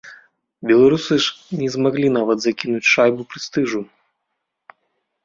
Беларусы ж не змаглі нават закінуць шайбу прэстыжу.